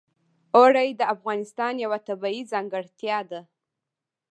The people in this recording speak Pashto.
اوړي د افغانستان یوه طبیعي ځانګړتیا ده.